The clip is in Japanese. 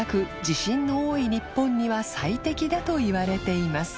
地震の多い日本には播世いわれています